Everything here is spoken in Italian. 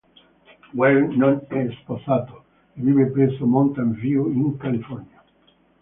Weir non è sposato e vive presso Mountain View, in California.